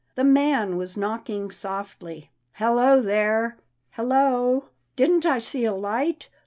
The man was knocking softly, Hello there ! hello! — didn't I see a light?